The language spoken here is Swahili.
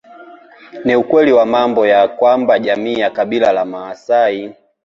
Ni ukweli wa mambo ya kwamba jamii ya kabila la maasai